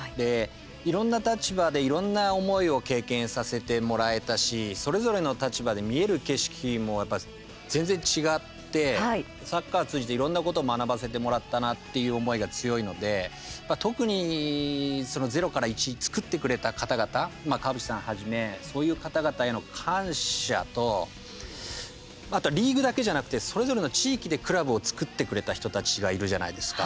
いろんな立場でいろんな思いを経験させてもらえたしそれぞれの立場で見える景色も全然違って、サッカー通じていろんなこと学ばせてもらったなっていう思いが強いので特に０から１作ってくれた方々川淵さんはじめそういう方々への感謝とあとリーグだけじゃなくてそれぞれの地域でクラブを作ってくれた人たちがいるじゃないですか。